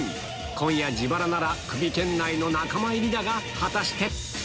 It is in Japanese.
今夜自腹ならクビ圏内の仲間入りだが果たして？